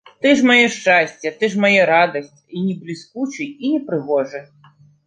Ты ж маё шчасце, ты ж мая радасць, і не бліскучы, і не прыгожы.